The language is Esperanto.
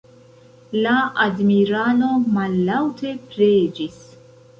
La admiralo mallaŭte preĝis.